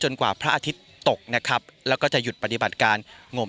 กว่าพระอาทิตย์ตกนะครับแล้วก็จะหยุดปฏิบัติการงม